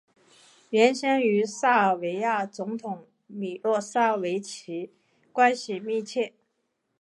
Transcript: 原先与塞尔维亚总统米洛塞维奇关系密切。